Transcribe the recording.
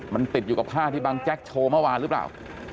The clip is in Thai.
มันติดอยู่กับผ้าที่บังแจ๊กโชว์เมื่อวานหรือเปล่า